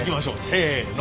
せの。